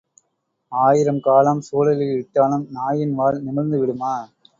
ஆயிரம் காலம் குழலில் இட்டாலும் நாயின் வால் நிமிர்ந்து விடுமா?